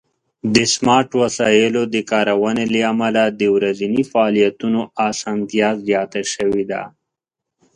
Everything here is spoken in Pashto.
د سمارټ وسایلو د کارونې له امله د ورځني فعالیتونو آسانتیا زیاته شوې ده.